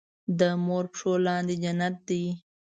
دې مور پښو لاندې جنت دی